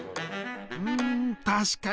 うん確かに。